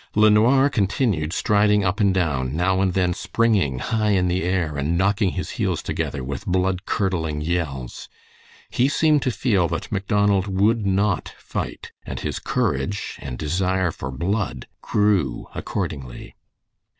LeNoir continued striding up and down, now and then springing high in the air and knocking his heels together with blood curdling yells. He seemed to feel that Macdonald would not fight, and his courage and desire for blood grew accordingly.